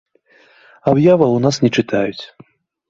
Аб'яваў у нас не чытаюць.